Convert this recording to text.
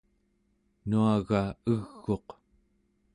nuaga eg'uq